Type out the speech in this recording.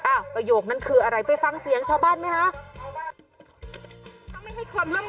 ประโยคนั้นคืออะไรไปฟังเสียงชาวบ้านไหมคะ